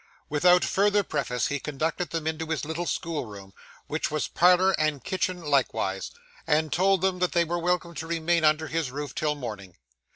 Without further preface he conducted them into his little school room, which was parlour and kitchen likewise, and told them that they were welcome to remain under his roof till morning.